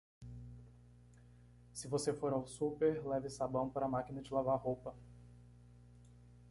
Se você for ao super, leve sabão para a máquina de lavar roupa.